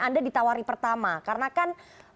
anda ditawari pertama karena kan